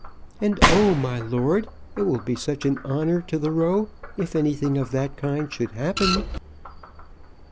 And oh, my lord, it will be such an honour to the Row if anything of that kind should happen."